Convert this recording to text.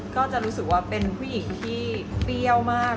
ก็จะรู้สึกว่าเป็นผู้หญิงที่เปรี้ยวมาก